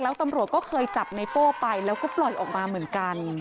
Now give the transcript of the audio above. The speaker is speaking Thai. แล้วตำรวจก็เคยจับไนโป้ไปแล้วก็ปล่อยออกมาเหมือนกัน